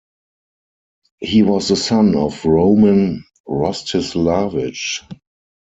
He was the son of Roman Rostislavich.